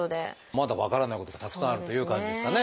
まだ分からないことがたくさんあるという感じですかね。